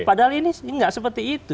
padahal ini nggak seperti itu